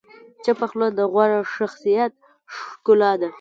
چپه خوله، د غوره شخصیت ښکلا ده.